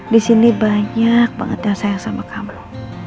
di sini banyak banget yang saya sama kamu